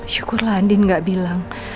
syukurlah andin gak bilang